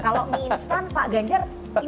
kalau mie instan pak ganjar